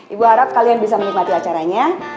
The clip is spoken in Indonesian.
ibu harap kalian bisa menikmati acaranya